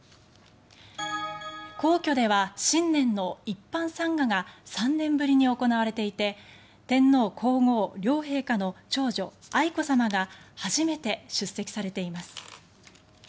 皇居では新年の一般参賀が３年ぶりに行われていて天皇・皇后両陛下の長女愛子さまが初めて出席されています。